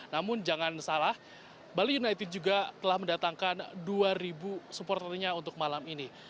namun jangan salah bali united juga telah mendatangkan dua supporternya untuk menang